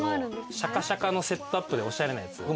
シャカシャカのセットアップでおしゃれなやつ。